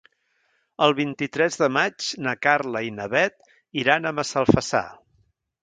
El vint-i-tres de maig na Carla i na Bet iran a Massalfassar.